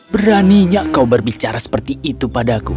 beraninya kau berbicara seperti itu padaku